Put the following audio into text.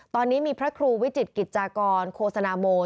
ตอนนี้มีพระครูวิจิตรกิจกรโครสณามณ์